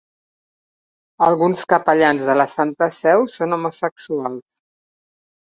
Alguns capellans de la Santa Seu són homosexuals.